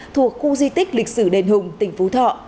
thuộc khu di tích lịch sử đền hùng tỉnh phú thọ